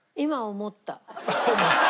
思った。